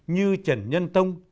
như trần nhân tông